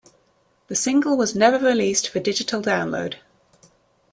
The single was never released for digital download.